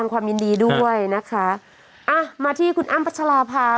ความยินดีด้วยนะคะอ่ะมาที่คุณอ้ำพัชราภา